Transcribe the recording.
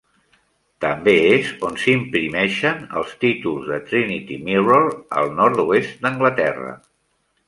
També és on s'imprimeixen els títols de Trinity Mirror al nord-oest d'Anglaterra.